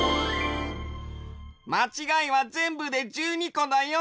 まちがいはぜんぶで１２こだよ！